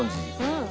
うん。